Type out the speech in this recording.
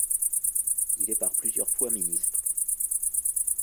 Il est par plusieurs fois ministre.